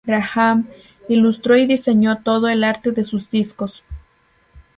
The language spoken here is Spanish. Graham ilustró y diseño todo el arte de sus discos.